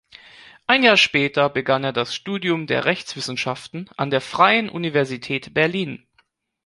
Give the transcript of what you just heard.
Ein Jahr später begann er das Studium der Rechtswissenschaften an der Freien Universität Berlin.